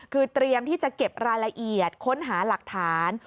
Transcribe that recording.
คือเตรียมที่จะเก็บรายละเอียดค้นหาหลักฐาน